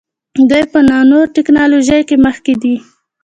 دوی په نانو ټیکنالوژۍ کې مخکې دي.